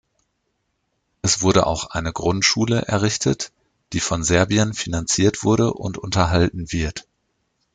Es wurde auch eine Grundschule errichtet, die von Serbien finanziert wurde und unterhalten wird.